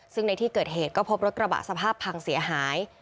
ซึ่งในที่เกิดเหตุก็พบรถกระบะสภาพพังเสียหาย